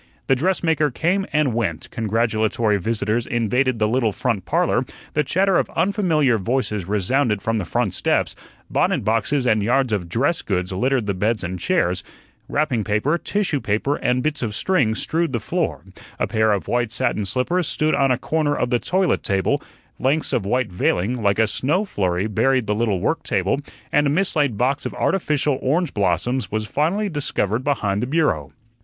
The dressmaker came and went, congratulatory visitors invaded the little front parlor, the chatter of unfamiliar voices resounded from the front steps; bonnet boxes and yards of dress goods littered the beds and chairs; wrapping paper, tissue paper, and bits of string strewed the floor; a pair of white satin slippers stood on a corner of the toilet table; lengths of white veiling, like a snow flurry, buried the little work table; and a mislaid box of artificial orange blossoms was finally discovered behind the bureau.